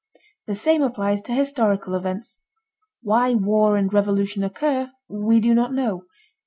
The same applies to historical events. Why war and revolution occur we do not know.